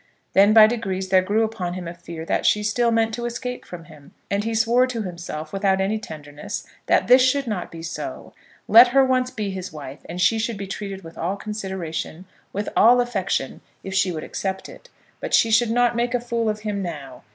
Then by degrees there grew upon him a fear that she still meant to escape from him, and he swore to himself, without any tenderness, that this should not be so. Let her once be his wife and she should be treated with all consideration, with all affection, if she would accept it; but she should not make a fool of him now.